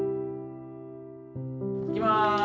行きます。